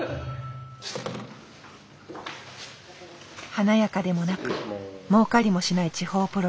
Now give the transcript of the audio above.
華やかでもなく儲かりもしない地方プロレス。